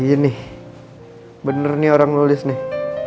gini bener nih orang nulis nih